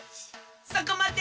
そこまで！